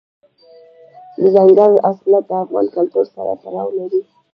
دځنګل حاصلات د افغان کلتور سره تړاو لري.